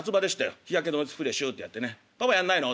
日焼け止めのスプレーシュとやってね「パパやんないの？」っつって。